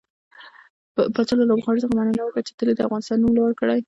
پاچا له لوبغاړو څخه مننه وکړه چې تل يې د افغانستان نوم لوړ کړى.